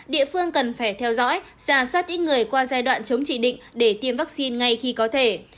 địa phương cần phải theo dõi giả soát ít người qua giai đoạn chống chỉ định để tiêm vaccine ngay khi có thể